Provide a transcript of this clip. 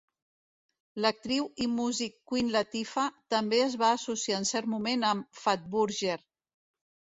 L'actriu i músic Queen Latifah també es va associar en cert moment amb Fatburger.